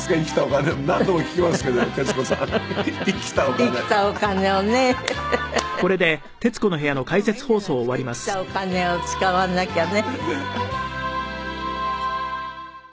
生きたお金を使わなきゃね。